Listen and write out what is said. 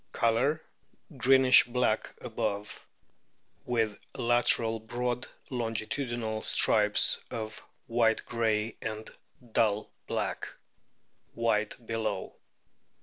Colour, greenish black above, with lateral broad longitudinal stripes of white grey and dull black; white below.